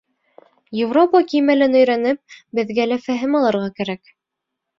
Европа кимәлен өйрәнеп, беҙгә лә фәһем алырға кәрәк.